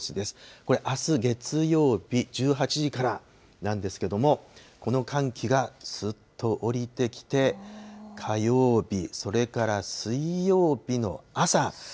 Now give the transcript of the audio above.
これあす月曜日、１８時からなんですけれども、この寒気がすっと降りてきて、火曜日、それから水曜日の朝。